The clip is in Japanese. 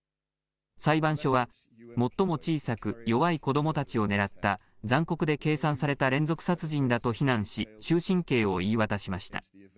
裁判所は、最も小さく弱い子どもたちを狙った残酷で計算された連続殺人だと非難し、終身刑を言い渡しました。